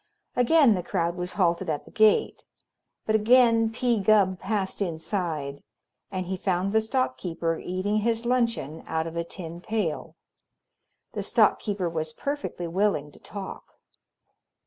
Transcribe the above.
Again the crowd was halted at the gate, but again P. Gubb passed inside, and he found the stock keeper eating his luncheon out of a tin pail. The stock keeper was perfectly willing to talk.